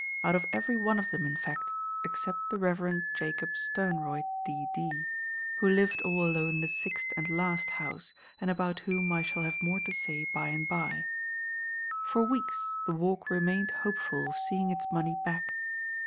Out of every one of them, in fact, except the Reverend Jacob Sternroyd, D.D., who lived all alone in the sixth and last house, and about whom I shall have more to say by and by. For weeks the Walk remained hopeful of seeing its money back.